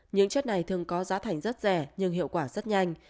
những chất này thường có giá thành rất rẻ nhưng hiệu quả rất nhanh